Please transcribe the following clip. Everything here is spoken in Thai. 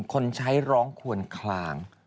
คนใช้ร้องควนคลาง